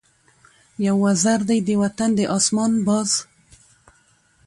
یو وزر دی د وطن د آسمان ، باز